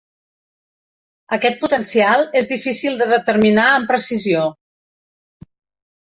Aquest potencial és difícil de determinar amb precisió.